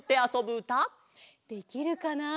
できるかな？